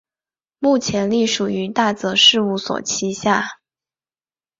目前隶属于大泽事务所旗下。